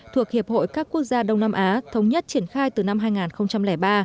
thuộc hiệp hội các quốc gia đông nam á thống nhất triển khai từ năm hai nghìn ba